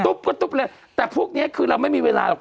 ปุ๊บก็ตุ๊บเลยแต่พวกนี้คือเราไม่มีเวลาหรอก